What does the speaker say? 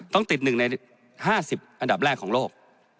ต้องติด๑ใน๕๐อันดับแรกของโลก